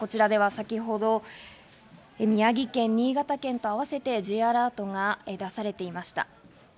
こちらでは先ほど宮城県、新潟県と合わせてＪアラートが出されていました。